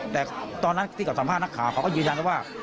แต่ตอนนั้นที่เขาสัมภาษณ์นักข่าวเขาก็ยืนยันแล้วว่า